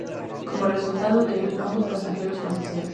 Como resultado de el, ambos pasajeros fallecieron.